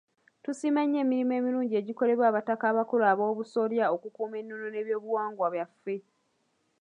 Tusiima nnyo emirimu emirungi egikolebwa abataka abakulu ab'obusolya okukuuma ennono n'ebyobuwangwa byaffe.